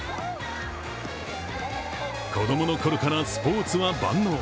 子供のころから、スポーツは万能。